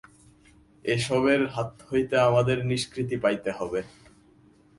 এ-সবের হাত হইতে আমাদের নিষ্কৃতি পাইতে হইবে।